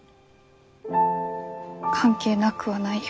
関係なくはないよ。